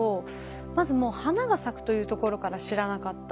まずもう花が咲くというところから知らなかった。